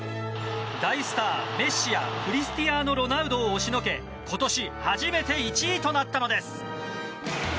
大スター、メッシやクリスティアーノ・ロナウドを押しのけ今年初めて１位となったのです。